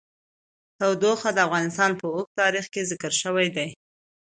تودوخه د افغانستان په اوږده تاریخ کې ذکر شوی دی.